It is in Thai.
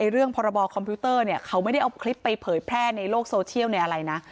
เรื่องพรบคอมพิวเตอร์เขาไม่ได้เอาคลิปไปเผยแพร่ในโลกโซเชียลอะไรนะ